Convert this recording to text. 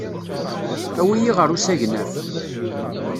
Awi-iyi ɣer usegnaf.